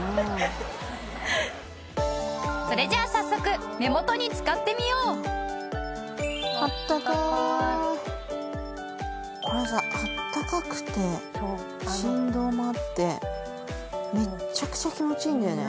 それじゃあ早速これさあったかくて振動もあってめっちゃくちゃ気持ちいいんだよね。